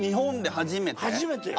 初めてよ。